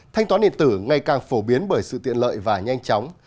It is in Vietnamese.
thanh toán điện tử ngày càng phổ biến bởi sự tiện lợi và nhanh chóng